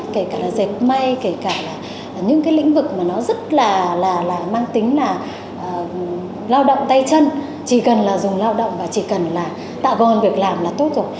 kể cả là dệt may kể cả những cái lĩnh vực mà nó rất là mang tính là lao động tay chân chỉ cần là dùng lao động và chỉ cần là tạo công an việc làm là tốt rồi